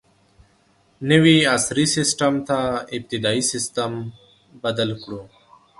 نوي عصري سیسټم ته ابتدايي سیسټم بدل کړو.